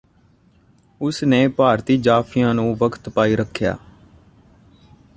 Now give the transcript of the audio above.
ਉਸ ਨੇ ਭਾਰਤੀ ਜਾਫੀਆਂ ਨੂੰ ਵਖਤ ਪਾਈ ਰੱਖਿਆ